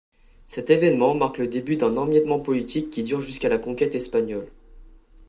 Cet événement marque le début d'un émiettement politique qui dure jusqu'à la conquête espagnole.